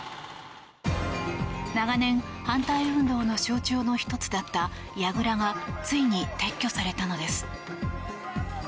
長年、反対運動の象徴の１つだったやぐらがついに撤去されたのです。